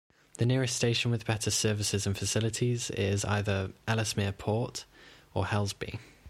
The nearest station with better services and facilities is either Ellesmere Port or Helsby.